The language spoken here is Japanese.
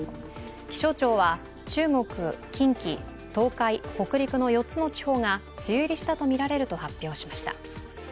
気象庁は中国・近畿・東海・北陸の４つの地方が梅雨入りしたとみられると発表しました。